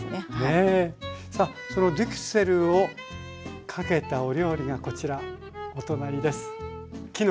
さあそのデュクセルをかけたお料理がこちらお隣です。